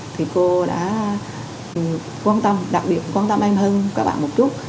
thì cô đã quan tâm đặc biệt quan tâm anh hơn các bạn một chút